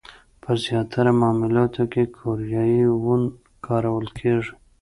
په زیاتره معاملاتو کې کوریايي وون کارول کېږي.